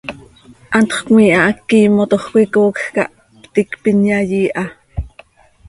Hantx cömiiha hac quiimotoj coi coocj cah ptiicp inyai iiha.